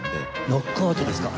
ノックアウトですか？